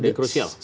ada yang krusial